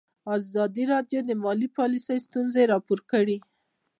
ازادي راډیو د مالي پالیسي ستونزې راپور کړي.